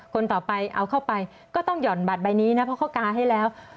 คนต่อไปเอาเข้าไปก็ต้องห่อนบัตรใบนี้นะเพราะเขากาให้แล้ว